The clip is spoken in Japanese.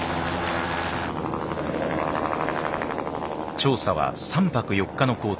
調査は３泊４日の行程。